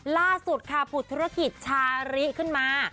ล่าสุดค่ะผุดธุรกิจชาริขึ้นมา